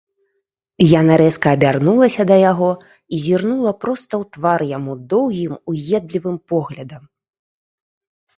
Яна рэзка абярнулася да яго і зірнула проста ў твар яму доўгім уедлівым поглядам.